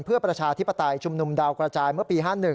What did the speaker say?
เพื่อประชาธิปไตยชุมนุมดาวกระจายเมื่อปี๕๑